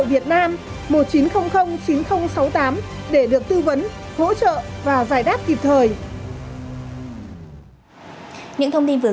bảo hiểm sở việt nam một chín không không chín không sáu tám để được tư vấn hỗ trợ và giải đáp kịp thời